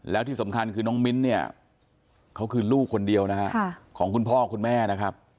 แล้วที่สำคัญคือน้องมิ้นเนี่ยเขาคือลูกคนเดียวนะฮะของคุณพ่อคุณแม่นะครับ